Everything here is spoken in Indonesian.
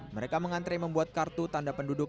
mereka mengantre membuat kartu tanda penduduk